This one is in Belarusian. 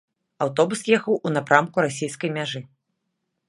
Аўтобус ехаў у напрамку расійскай мяжы.